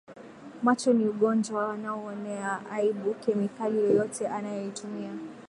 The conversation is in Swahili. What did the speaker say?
macho ni ugonjwa wanauonea aibuKemikali yoyote anayoitumia